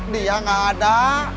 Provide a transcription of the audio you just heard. dia nggak ada